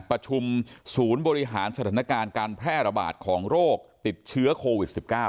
ประชุมศูนย์บริหารสถานการณ์การแพร่ระบาดของโรคติดเชื้อโควิด๑๙